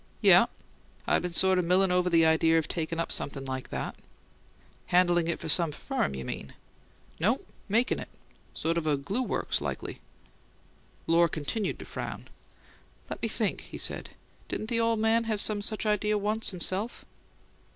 "Yes. I been sort of milling over the idea of taking up something like that." "Handlin' it for some firm, you mean?" "No. Making it. Sort of a glue works likely." Lohr continued to frown. "Let me think," he said. "Didn't the ole man have some such idea once, himself?"